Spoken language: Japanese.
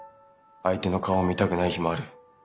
相手の顔を見たくない日もある。